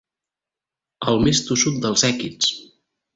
El més tossut dels èquids.